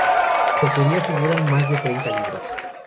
De su autoría figuran más de treinta libros.